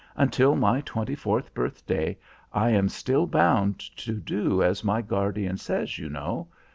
Until my twenty fourth birthday I am still bound to do as my guardian says, you know.